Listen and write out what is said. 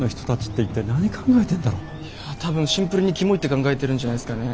多分シンプルにキモいって考えてるんじゃないすかね？